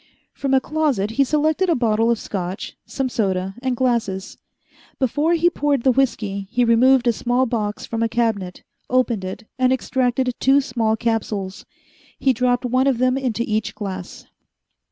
From a closet he selected a bottle of Scotch, some soda, and glasses. Before he poured the whisky, he removed a small box from a cabinet, opened it, and extracted two small capsules. He dropped one of them into each glass.